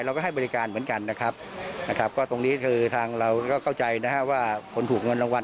เราก็ให้บริการเหมือนกันนะครับนะครับก็ตรงนี้คือทางเราก็เข้าใจนะฮะว่าคนถูกเงินรางวัล